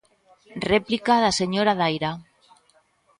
Réplica da señora Daira.